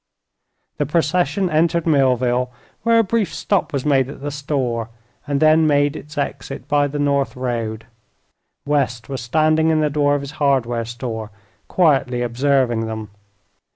The procession entered Millville, where a brief stop was made at the store, and then made its exit by the north road. West was standing in the door of his hardware store, quietly observing them.